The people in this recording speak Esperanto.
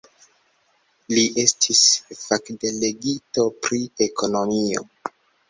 Li estis fakdelegito pri ekonomio.